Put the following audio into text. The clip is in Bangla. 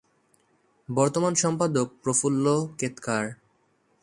বর্তমান সম্পাদক প্রফুল্ল কেতকার।